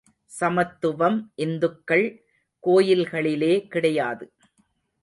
சமத்துவம் இந்துக்கள் கோயில்களிலே கிடையாது.